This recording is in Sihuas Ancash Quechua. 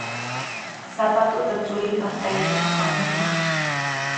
Sapatuta churinpaq taytan apamunaq.